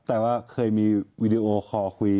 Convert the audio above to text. แต่ว่าเคยมีวีดีโอคอลคุย